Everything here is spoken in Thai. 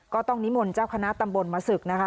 ก็ต้องนิมนต์เจ้าคณะตำบลมาศึกนะคะ